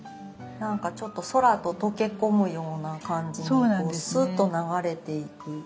なんかちょっと空と溶け込むような感じにこうスッと流れていく。